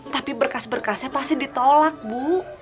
tapi berkas berkasnya pasti ditolak bu